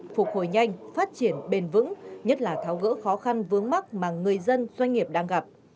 phục hồi nhanh phát triển bền vững nhất là tháo gỡ khó khăn vướng mắt mà người dân doanh nghiệp đang gặp